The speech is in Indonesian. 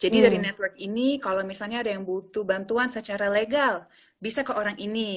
jadi dari jaringan ini kalau misalnya ada yang butuh bantuan secara legal bisa ke orang ini